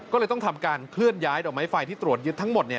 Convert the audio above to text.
ก็เลยต้องทำการเคลื่อนย้ายดอกไม้ไฟที่ตรวจยึดทั้งหมด